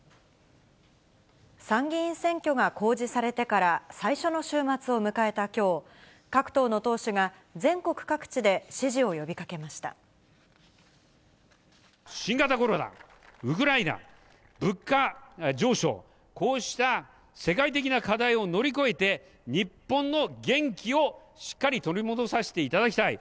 参議院選挙が公示されてから最初の週末を迎えたきょう、各党の党首が、全国各地で支持を新型コロナ、ウクライナ、物価上昇、こうした世界的な課題を乗り越えて、日本の元気をしっかり取り戻させていただきたい。